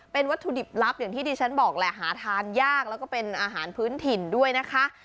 เป็นวัตถุดิบลับอย่างที่ดิฉันบอกแหละหาทานยากแล้วก็เป็นอาหารพื้นถิ่นด้วยนะคะ